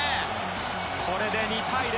これで２対０。